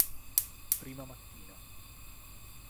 Prima mattina.